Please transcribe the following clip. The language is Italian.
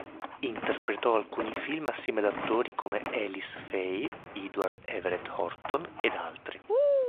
Interpretò alcuni film assieme ad attori come Alice Faye, Edward Everett Horton ed altri.